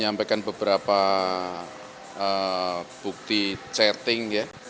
menyampaikan beberapa bukti chatting ya